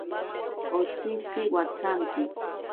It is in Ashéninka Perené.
Otsitzi watsanti.